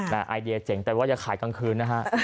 ไอเดียเจ๋งแต่ว่าอย่าขายกลางคืนนะฮะ